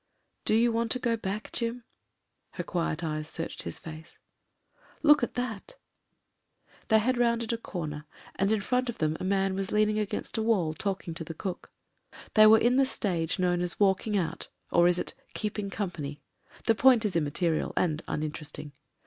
"Do you want to go back, Jim?" Her quiet eyes searched his face. "Look at that." They had rounded a comer, and in front of them ti THE GREY HOUSE 241 a man was leaning against a wall talking to the cook. They were in the stage known as walking out ^r is it keeping company? The point is immaterial and uninteresting.